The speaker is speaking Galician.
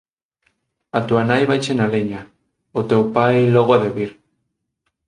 A túa nai vaiche na leña, o teu pai logo ha de vir.